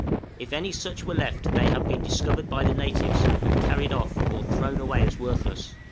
If any such were left they have been discovered by the natives, and carried off, or thrown away as worthless.